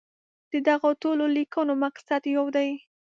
د دغو ټولو لیکنو مقصد یو دی.